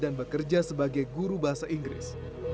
dan bekerja sebagai guru bahasa inggris